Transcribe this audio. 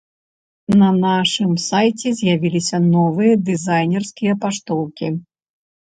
На нашым сайце з'явіліся новыя дызайнерскія паштоўкі.